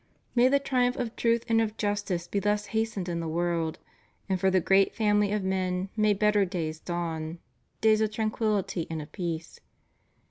May the triumph of truth and of justice be thus has tened in the world, and for the great family of men may better days dawn ; days of tranquillity and of peace.